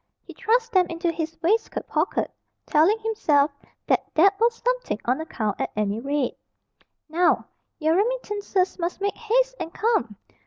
He thrust them into his waistcoat pocket, telling himself that that was something on account at any rate. "Now, your remittances must make haste and come.